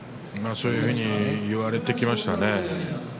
そういうふうに言われてきましたね。